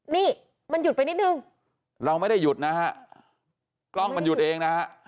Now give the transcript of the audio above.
นี่มันหยุดไปนิดนึงเราไม่ได้หยุดนะฮะกล้องมันหยุดเองนะฮะ